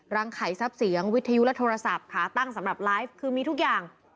ไขทรัพย์เสียงวิทยุและโทรศัพท์ขาตั้งสำหรับไลฟ์คือมีทุกอย่าง